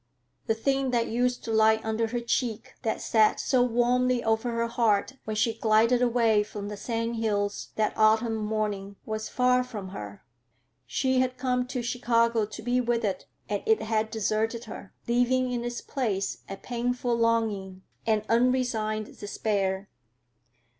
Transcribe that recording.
The thing that used to lie under her cheek, that sat so warmly over her heart when she glided away from the sand hills that autumn morning, was far from her. She had come to Chicago to be with it, and it had deserted her, leaving in its place a painful longing, an unresigned despair.